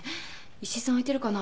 石井さん空いてるかな？